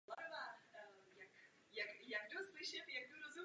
Zde je umístěn původní nábytek.